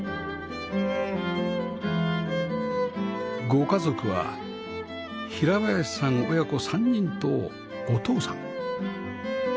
ご家族は平林さん親子３人とお父さん